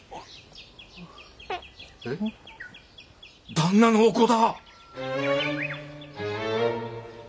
旦那のお子だ！